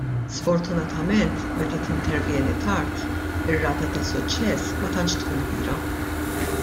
Sfortunatament meta tintervjeni tard ir-rata ta' suċċess ma tantx tkun kbira.